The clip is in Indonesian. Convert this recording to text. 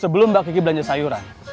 sebelum mbak kiki belanja sayuran